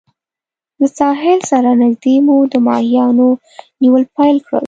له ساحل سره نږدې مو د ماهیانو نیول پیل کړل.